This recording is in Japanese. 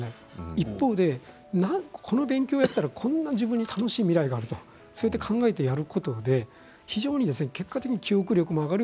一方でこの勉強をやったらこんなに楽しい未来があると考えてやることで結果的に記憶力も上がる。